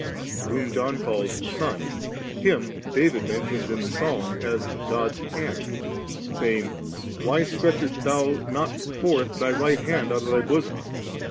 For whom John calls Son, Him David mentions in the Psalm as God's Hand ^, saying, 'Why stretchest Thou not forth Thy Right Hand out of Thy bosom 7?'